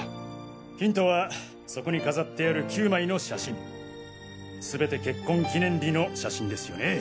ヒントはそこに飾ってある９枚の写真全て結婚記念日の写真ですよね？